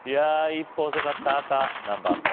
一歩遅かった赤何番？